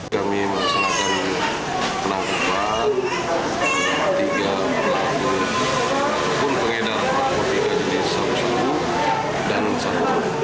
kami melaksanakan penangkapan tiga pengedaran narkoba jenis sabu sabu dan sabu sabu